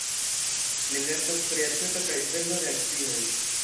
Li lertas pri aĉeto kaj vendo de akcioj.